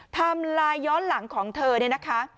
ไลน์ย้อนหลังของเธอเนี่ยนะคะ